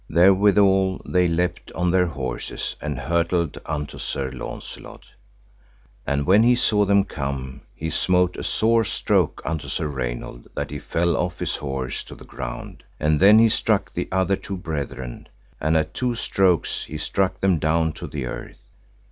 Therewithal, they leapt on their horses and hurtled unto Sir Launcelot. And when he saw them come he smote a sore stroke unto Sir Raynold, that he fell off his horse to the ground, and then he struck to the other two brethren, and at two strokes he struck them down to the earth.